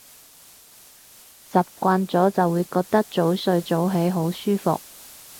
習慣咗就會覺得早睡早起好舒服